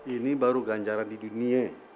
ini baru ganjaran di dunia